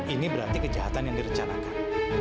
ini berarti kejahatan yang direncanakan